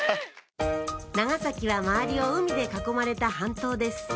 長崎は周りを海で囲まれた半島です